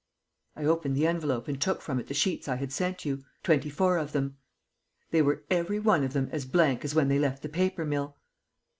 I opened the envelope and took from it the sheets I had sent you twenty four of them. _They were every one of them as blank as when they left the paper mill!